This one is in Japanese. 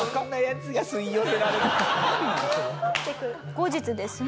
後日ですね。